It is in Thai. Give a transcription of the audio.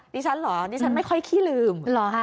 ดิฉันเหรอดิฉันไม่ค่อยขี้ลืม